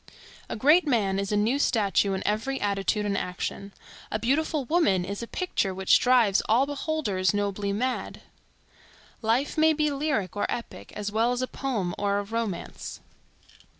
A great man is a new statue in every attitude and action. A beautiful woman is a picture which drives all beholders nobly mad. Life may be lyric or epic, as well as a poem or a romance.